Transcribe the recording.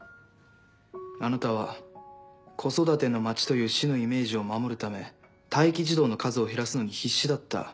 あなたは「子育ての街」という市のイメージを守るため待機児童の数を減らすのに必死だった。